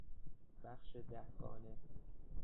بخش دهگانه